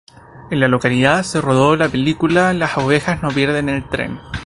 En la localidad se rodó la película Las ovejas no pierden el tren.